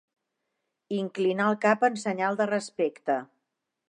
Inclinar el cap en senyal de respecte.